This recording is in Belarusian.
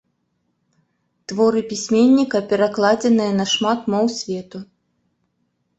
Творы пісьменніка перакладзеныя на шмат моў свету.